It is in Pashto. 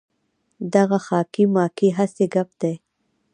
دغه خاکې ماکې هسې ګپ دی.